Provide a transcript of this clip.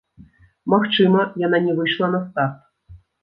Магчыма, яна не выйшла на старт.